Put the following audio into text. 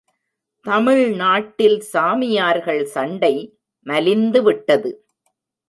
தமிழ் நாட்டில் சாமியார்கள் சண்டை மலிந்துவிட்டது.